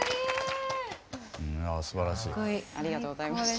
すばらしいです。